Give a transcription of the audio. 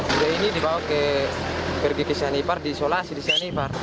budaya ini dibawa ke pergitisan ifar disolasi di isyan ifar